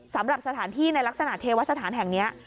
สำหรับสถานที่ในลักษณะเทวสถานแห่งนี้